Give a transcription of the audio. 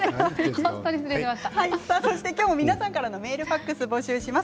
皆さんからのメールファックスを募集します。